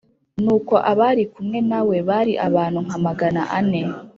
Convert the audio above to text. Nuko abari kumwe na we bari abantu nka magana ane.